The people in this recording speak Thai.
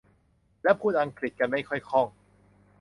และพูดอังกฤษกันไม่ค่อยคล่อง